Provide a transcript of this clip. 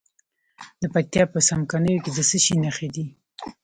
د پکتیا په څمکنیو کې د څه شي نښې دي؟